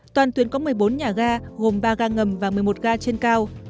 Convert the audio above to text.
toàn tuyến có một mươi bốn nhà ga gồm ba ga ngầm và một mươi một ga trên cao